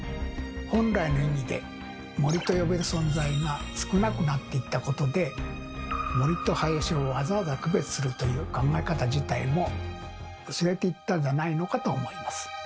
本来の意味で「森」と呼べる存在が少なくなっていったことで森と林をわざわざ区別するという考え方自体も薄れていったんじゃないのかと思います。